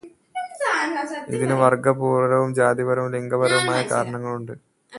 ഇതിന് വർഗപരവും ജാതിപരവും ലിംഗപരവുമായ കാരണങ്ങളുണ്ട്.